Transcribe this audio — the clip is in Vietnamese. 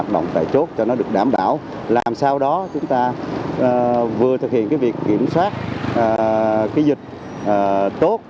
đóng tại chốt cho nó được đảm bảo làm sao đó chúng ta vừa thực hiện việc kiểm soát kỳ dịch tốt